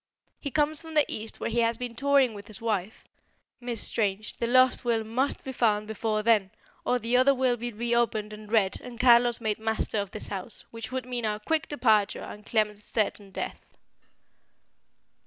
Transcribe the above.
He comes from the East where he has been touring with his wife. Miss Strange, the lost will must be found before then, or the other will be opened and read and Carlos made master of this house, which would mean our quick departure and Clement's certain death."